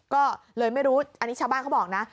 ก็เลยไม่รู้อันนี้ชาวบ้านเขาบอกนะ